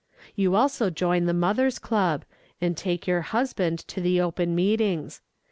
You also join the Mothers' Club, and take your husband to the open meetings.